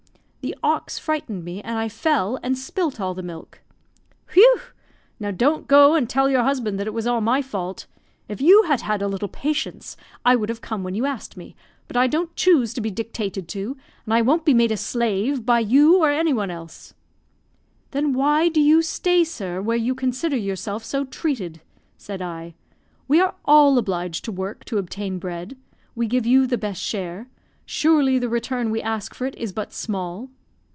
"The ox frightened me, and I fell and spilt all the milk." "Whew! Now don't go and tell your husband that it was all my fault; if you had had a little patience, I would have come when you asked me, but I don't choose to be dictated to, and I won't be made a slave by you or any one else." "Then why do you stay, sir, where you consider yourself so treated?" said I. "We are all obliged to work to obtain bread; we give you the best share surely the return we ask for it is but small."